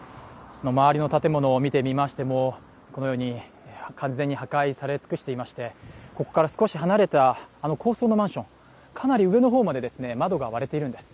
周りの建物を見てみましてもこのように完全に破壊し石尽くされていましてここから少し離れた、あの高層のマンションかなり上の方まで窓が割れているんです。